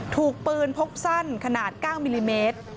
ถูกปืนพกสั้นขนาด๙มิลลิเมตร